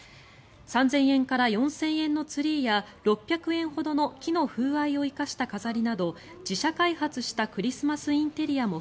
３０００円から４０００円のツリーや６００円ほどの木の風合いを生かした飾りなど自社開発したクリスマスインテリアも